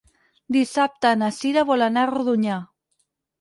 Dissabte na Cira vol anar a Rodonyà.